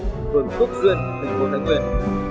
năm hai nghìn hai mươi phường túc duyên thành phố thái nguyên